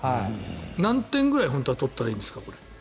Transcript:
何点ぐらい取ったらいいんですか？